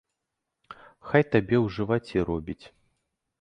Хай табе ў жываце робіць!